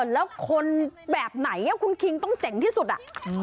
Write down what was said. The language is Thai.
แล้วคนแบบไหนคุณคิงต้องเจ๋งที่สุดอ่ะ